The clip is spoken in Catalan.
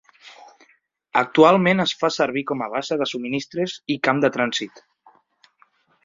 Actualment es fa servir com a base de subministres i camp de trànsit.